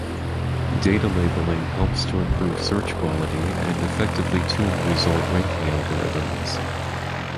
Data labeling helps to improve search quality and effectively tune result ranking algorithms.